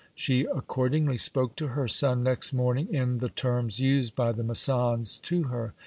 She accordingly spoke to her son next morning in the terms used by the masands to her.